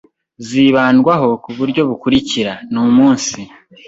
zibandwaho ku buryo bukurikira; ni umunsi